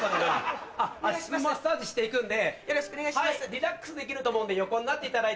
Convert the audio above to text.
リラックスできると思うんで横になっていただいて。